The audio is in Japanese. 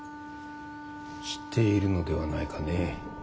知っているのではないかね？